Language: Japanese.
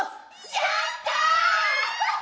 やった！